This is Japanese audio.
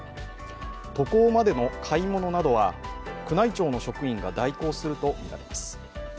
渡航までの買い物などは宮内庁の職員が代行するとみられます。